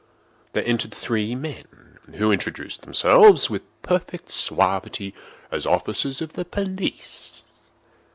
There entered three men, who introduced themselves, with perfect suavity, as officers of the police.